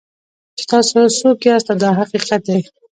چې تاسو څوک یاست دا حقیقت دی.